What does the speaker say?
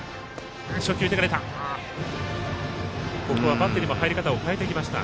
バッテリーも入り方を変えてきました。